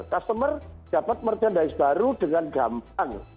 customer dapat merchandise baru dengan gampang